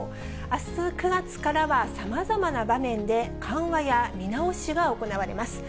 あす９月からはさまざまな場面で緩和や見直しが行われます。